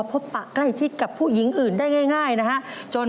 ปะใกล้ชิดกับผู้หญิงอื่นได้ง่ายนะฮะ